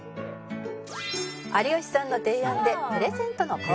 「有吉さんの提案でプレゼントの交換を」